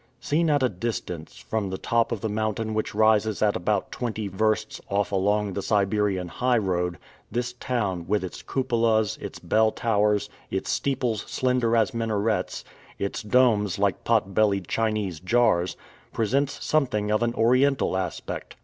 Seen at a distance, from the top of the mountain which rises at about twenty versts off along the Siberian highroad, this town, with its cupolas, its bell towers, its steeples slender as minarets, its domes like pot bellied Chinese jars, presents something of an oriental aspect.